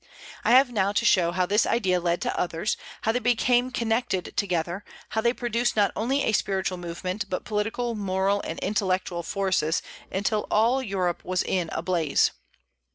I have now to show how this idea led to others; how they became connected together; how they produced not only a spiritual movement, but political, moral, and intellectual forces, until all Europe was in a blaze.